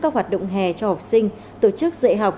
các hoạt động hè cho học sinh tổ chức dạy học